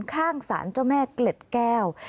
ข้างสารเจ้าแม่เกล็ดแก้ว